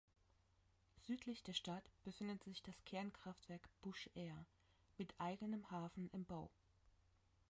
Südlich der Stadt befindet sich das Kernkraftwerk Buschehr mit eigenem Hafen im Bau.